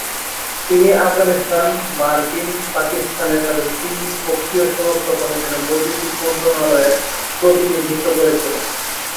তিনি আফগানিস্তান-মার্কিন-পাকিস্তানের সাথে ত্রিপক্ষীয় সুরক্ষা কমিশনে বৈদেশিক মন্ত্রণালয়ের প্রতিনিধিত্ব করেছিলেন।